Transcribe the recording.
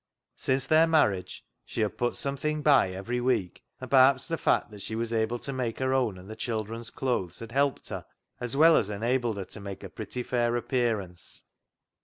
Since their marriage she had put something 13 194 CLOG SHOP CHRONICLES by every week, and perhaps the fact that she was able to make her own and the children's clothes had helped her, as well as enabled her to make a pretty fair appearance.